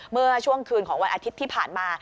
เมื่อช่วงคืนของวันอาทิตย์ที่ผ่านมา